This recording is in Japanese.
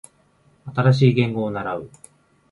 新しい言語を習う